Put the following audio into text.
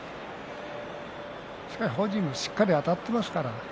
しかし、本人もしっかりあたっていますから。